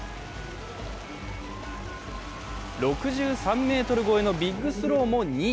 ６３ｍ超えのビッグスローも２位。